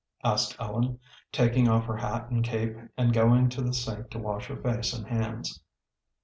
asked Ellen, taking off her hat and cape, and going to the sink to wash her face and hands.